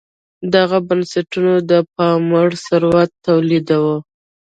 دغو بنسټونو د پاموړ ثروت تولیداوه.